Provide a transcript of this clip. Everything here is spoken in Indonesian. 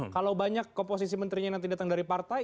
kalau banyak komposisi menterinya yang tidak datang dari partai